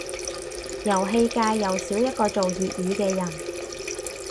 遊戲界又少一個做粵語嘅人